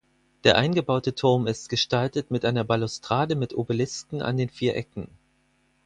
Der eingebaute Turm ist gestaltet mit einer Balustrade mit Obelisken an den vier Ecken.